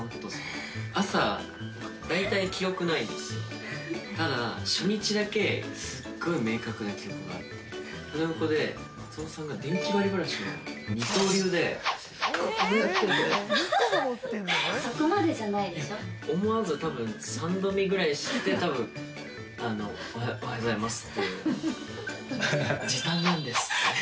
朝、大体記憶ないんですよ。